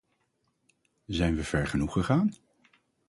Zijn we ver genoeg gegaan?